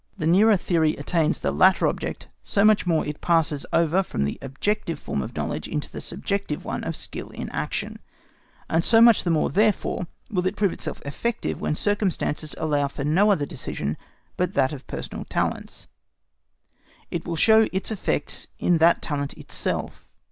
The nearer theory attains the latter object, so much the more it passes over from the objective form of knowledge into the subjective one of skill in action; and so much the more, therefore, it will prove itself effective when circumstances allow of no other decision but that of personal talents; it will show its effects in that talent itself.